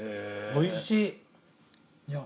おいしい。